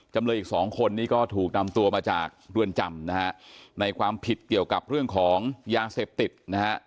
จำเลยอีกสองคนนี้ก็ถูกนำตัวมาจากเรือนจำนะฮะในความผิดเกี่ยวกับเรื่องของยาเสพติดนะฮะ